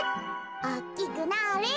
おおきくなれ。